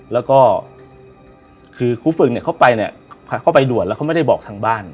แล้วก็คือครูฝึกเนี่ยเขาไปเนี่ยเขาไปด่วนแล้วเขาไม่ได้บอกทางบ้าน